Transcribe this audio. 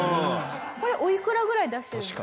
これおいくらぐらいで出してるんですか？